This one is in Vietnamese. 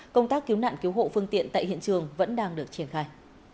công tác cứu nạn cứu hộ phương tiện tại hiện trường vẫn đang được triển khai